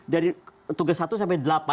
dari tugas satu sampai delapan